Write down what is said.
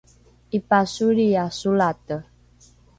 ’ipasolria solate